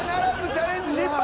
チャレンジ失敗！